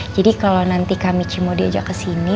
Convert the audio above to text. jadi kalo nanti kak michi mau diajak kesini